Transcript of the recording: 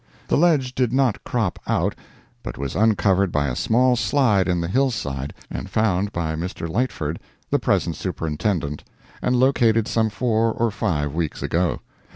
The ledge did not crop out, but was uncovered by a small slide in the hillside, and found by Mr. Lightford, the present Superintendent, and located some four or five weeks ago.